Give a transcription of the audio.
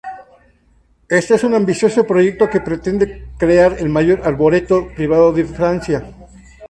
Este es un ambicioso proyecto que pretende crear el mayor Arboreto privado de Francia.